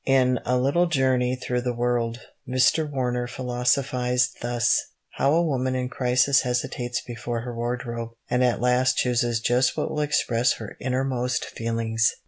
In A Little Journey through the World Mr. Warner philosophised thus: "How a woman in a crisis hesitates before her wardrobe, and at last chooses just what will express her innermost feelings!"